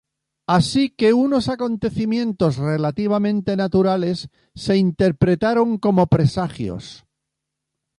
Así que unos acontecimientos relativamente naturales se interpretaron como presagios.